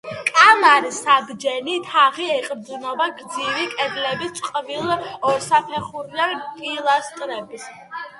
კამარის საბჯენი თაღი ეყრდნობა გრძივი კედლების წყვილ ორსაფეხურიან პილასტრებს.